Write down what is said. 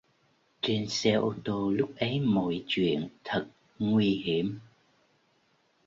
Trên xe ô tô lúc ấy mọi chuyện thật nguy hiểm